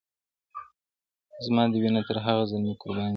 زما دي وینه تر هغه زلمي قربان سي-